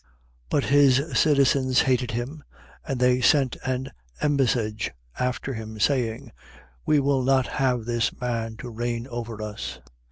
19:14. But his citizens hated him and they sent an embassage after him, saying: We will not have this man to reign over us.